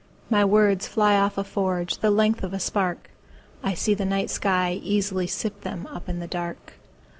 My words fly off a forgeThe length of a spark;I see the night sky easily sip themUp in the dark.